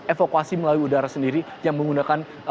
evakuasi melalui udara sendiri yang menggunakan